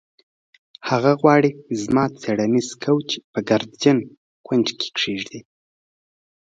هغه غواړي زما څیړنیز کوچ په ګردجن کونج کې کیږدي